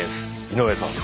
井上さん